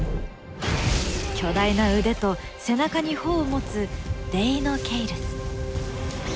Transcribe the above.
巨大な腕と背中に帆を持つデイノケイルス。